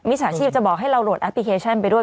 ฉาชีพจะบอกให้เราโหลดแอปพลิเคชันไปด้วย